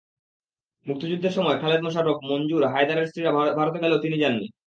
মুক্তিযুদ্ধের সময় খালেদ মোশাররফ, মঞ্জুর, হায়দারের স্ত্রীরা ভারতে গেলেও তিনি যাননি।